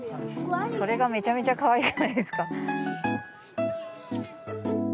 それがめちゃめちゃ可愛くないですか。